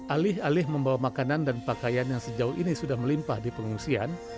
alih alih membawa makanan dan pakaian yang sejauh ini sudah melimpah di pengungsian